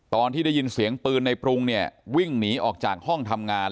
ตอนที่ได้ยินเสียงปืนในปรุงเนี่ยวิ่งหนีออกจากห้องทำงาน